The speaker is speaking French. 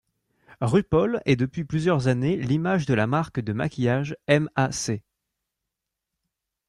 RuPaul est depuis plusieurs années l'image de la marque de maquillage M·A·C.